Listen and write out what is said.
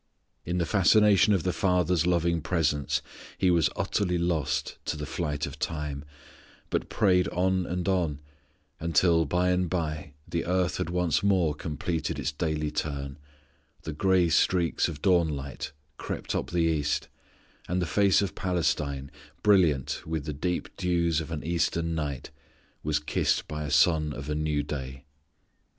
In the fascination of the Father's loving presence He was utterly lost to the flight of time, but prayed on and on until, by and by, the earth had once more completed its daily turn, the gray streaks of dawnlight crept up the east, and the face of Palestine, fragrant with the deep dews of an eastern night, was kissed by a sun of a new day.